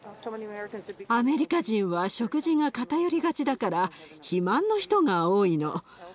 アメリカ人は食事が偏りがちだから肥満の人が多いの。